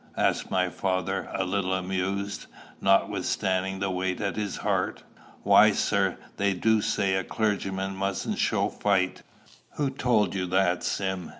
asked my father, a little amused, notwithstanding the weight at his heart. "Why, sir, they do say a clergyman mustn't show fight." "Who told you that, Sim?"